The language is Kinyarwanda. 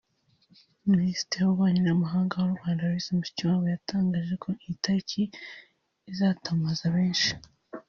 Minisitiri w’Ububanyi n’Amahanga w’u Rwanda Louise Mushikiwabo yatangaje ko iyi tariki izatamaza benshi